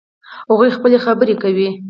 هغوی خپلې خبرې کوي